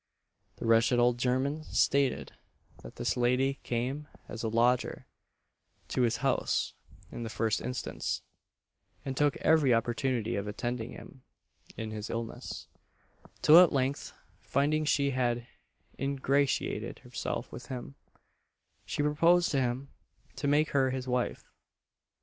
The wretched old German stated, that this lady came as a lodger to his house in the first instance, and took every opportunity of attending to him in his illness; till at length, finding she had ingratiated herself with him, she proposed to him to make her his wife.